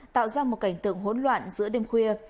tạo ra một cảnh tượng hỗn loạn giữa đêm khuya